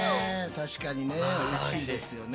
確かにねおいしいですよね。